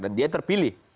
dan dia terpilih